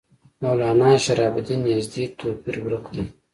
مولنا شرف الدین یزدي توپیر ورک دی.